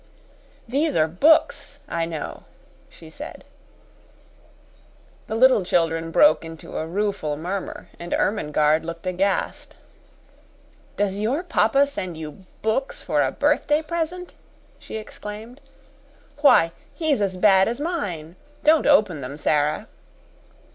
"These are books, I know," she said. The little children broke into a rueful murmur, and Ermengarde looked aghast. "Does your papa send you books for a birthday present?" she exclaimed. "Why, he's as bad as mine. Don't open them, Sara."